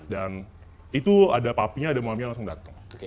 dan itu ada papinya ada maminya langsung datang